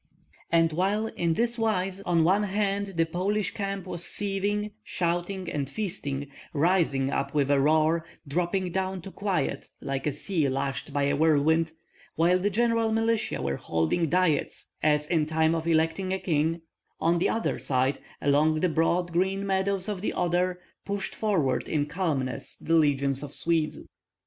And while in this wise on one side the Polish camp was seething, shouting, and feasting, rising up with a roar, dropping down to quiet, like a sea lashed by a whirlwind, while the general militia were holding diets as in time of electing a king, on the other side, along the broad green meadows of the Oder, pushed forward in calmness the legions of Sweden.